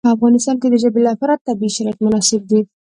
په افغانستان کې د ژبې لپاره طبیعي شرایط مناسب دي.